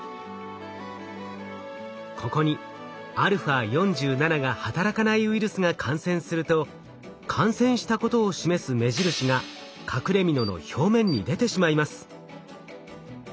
ここにα４７が働かないウイルスが感染すると感染したことを示す目印が隠れみのの表面に出てしまいます。